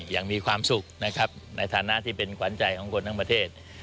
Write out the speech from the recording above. อย่างมีความสุขนะครับในฐานะที่เป็นขวัญใจของคนทั้งประเทศ